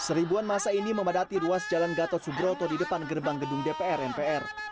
seribuan masa ini memadati ruas jalan gatot subroto di depan gerbang gedung dpr mpr